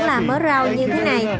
làm mớ rau như thế này